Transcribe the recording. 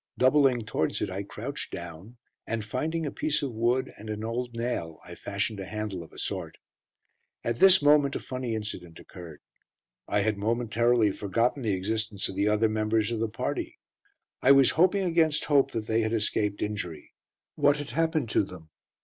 Doubling towards it, I crouched down, and finding a piece of wood and an old nail I fashioned a handle of a sort. At this moment a funny incident occurred. I had momentarily forgotten the existence of the other members of the party. I was hoping against hope that they had escaped injury. What had happened to them?